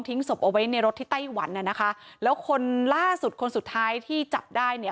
ศพเอาไว้ในรถที่ไต้หวันน่ะนะคะแล้วคนล่าสุดคนสุดท้ายที่จับได้เนี่ย